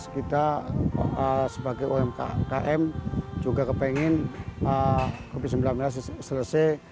kita sebagai umkm juga kepengen covid sembilan belas selesai